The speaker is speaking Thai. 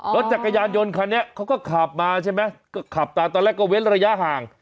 รถจักรยานยนต์คันนี้เขาก็ขับมาใช่ไหมก็ขับตามตอนแรกก็เว้นระยะห่าง